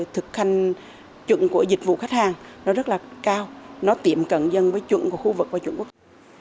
thực hành chủng của dịch vụ khách hàng nó rất là cao nó tiềm cận dân với chủng của khu vực và chủng quốc tế